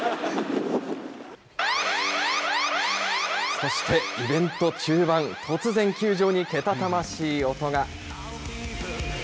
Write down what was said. そしてイベント中盤、突然、球場にけたたましい音が。